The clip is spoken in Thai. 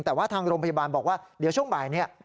แต่ว่าทางโรงพยาบาลบอกว่าเดี๋ยวช่วงบ่ายนี้